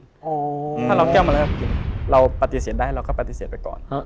ถ้าเราเอาแก้วมาให้เรากินเราปฏิเสธได้เราก็ปฏิเสธไปก่อน